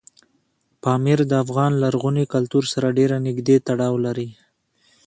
پامیر د افغان لرغوني کلتور سره ډېر نږدې تړاو لري.